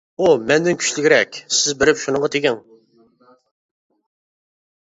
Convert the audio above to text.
ئۇ مەندىن كۈچلۈكرەك، سىز بېرىپ شۇنىڭغا تېگىڭ.